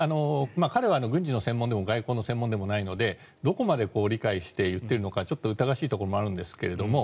彼は軍事の専門でも外交の専門でもないのでどこまで理解して言っているのか疑わしいところもあるんですが